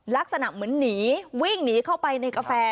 ลักษณะเหมือนหนีวิ่งหนีเข้าไปในกาแฟ